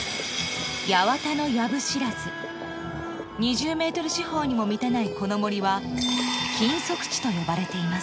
［２０ｍ四方にも満たないこの森は禁足地と呼ばれています］